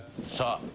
さあ。